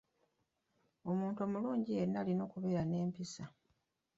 Omuntu omulungi yenna alina okubeera n’empisa.